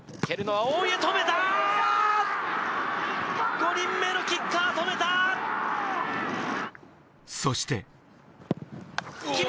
５人目のキッカー、そして。